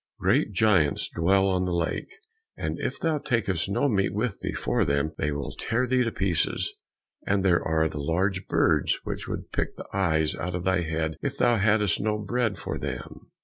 Great giants dwell on the lake, and if thou takest no meat with thee for them, they will tear thee to pieces, and there are the large birds which would pick the eyes out of thy head if thou hadst no bread for them."